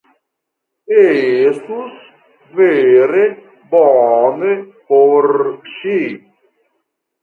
Estus vere bone por ŝi.